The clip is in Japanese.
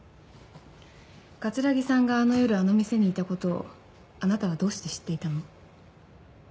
城さんがあの夜あの店にいた事をあなたはどうして知っていたの？